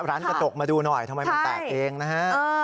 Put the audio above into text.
ร้านกระจกมาดูหน่อยทำไมมันแตกเองนะฮะ